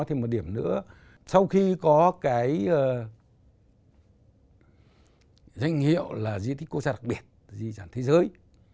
thêm một điểm nữa sau khi có cái danh hiệu là di tích quốc gia đặc biệt di sản thế giới